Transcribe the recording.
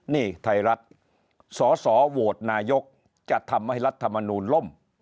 นี่ไทยรัฐสสโหวตนายกจะทำให้รัฐมนูลล่ม